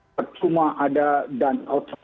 pertumah ada dan